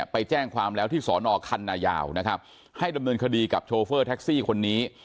ไปแจ้งความแล้วที่สอนอคันนายาวนะครับให้ดำเนินคดีกับโชเฟอร์แท็กซี่คนนี้